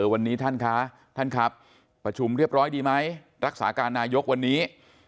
วันนี้ท่านคะท่านครับประชุมเรียบร้อยดีไหมรักษาการนายกวันนี้